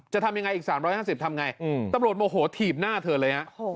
จะทำยังไงอีก๓๕๐ทำไงตำรวจโมโหถีบหน้าเธอเลยฮะ